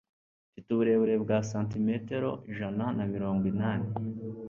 Mfite uburebure bwa santimetero ijana na mirongo inani